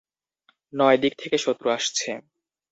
নয় দিক থেকে শত্রু আসছে।